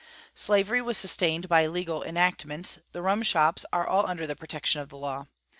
Slavery was sustained by legal enactments; the rum shops are all under the protection of the law.